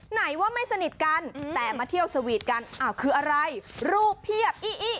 ไหนว่าไม่สนิทกันแต่มาเที่ยวสวีทกันอ้าวคืออะไรรูปเพียบอี้อี้